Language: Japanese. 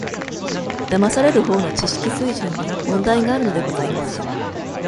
だまされるほうの、知識水準に問題があるのでございます。